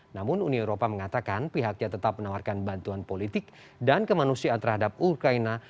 namun uni eropa mengatakan pihaknya tetap menawarkan bantuan politik dan kemanusiaan terhadap ukraina